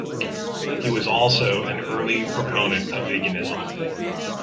He was also an early proponent of veganism.